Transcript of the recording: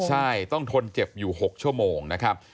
ใช่ต้องทนเจ็บอยู่๖ชั่วโมงนะครับ